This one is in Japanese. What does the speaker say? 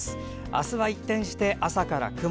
明日は一転して朝から雲。